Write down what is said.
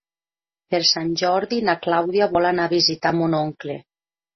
Per Sant Jordi na Clàudia vol anar a visitar mon oncle.